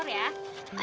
nih buat kamu